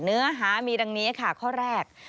เนื้อหามีดังนี้ค่ะข้อแรก